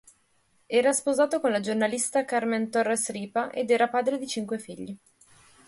Era sposato con la giornalista Carmen Torres Ripa ed era padre di cinque figli.